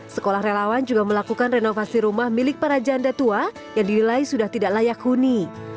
sekolah relawan juga melakukan renovasi rumah milik para janda tua yang dinilai sudah tidak layak huni